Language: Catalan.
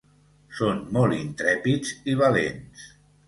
Són molt intrèpids i valents.